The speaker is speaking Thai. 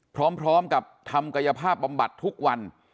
พร้อมกับทำกายภาพบำบัดทุกวัน